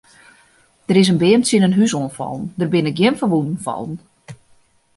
Der is in beam tsjin in hús oan fallen, der binne gjin ferwûnen fallen.